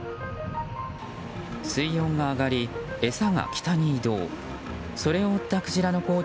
水温が上がり、餌が北に移動。